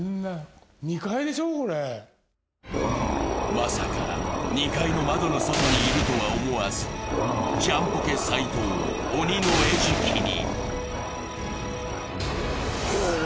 まさか２階の窓の外にいるとは思わず、ジャンポケ斉藤、鬼の餌食に。